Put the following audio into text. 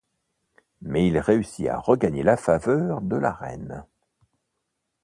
Mais il réussit à regagner la faveur de la reine.